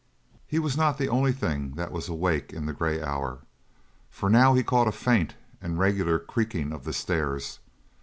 He was not the only thing that was awake in the grey hour. For now he caught a faint and regular creaking of the stairs.